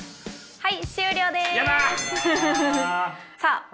はい。